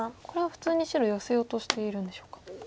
これは普通に白ヨセようとしているんでしょうか。